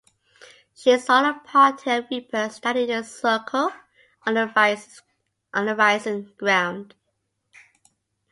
She saw a party of reapers standing in a circle on a rising ground.